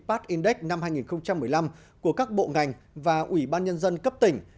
park index năm hai nghìn một mươi năm của các bộ ngành và ủy ban nhân dân cấp tỉnh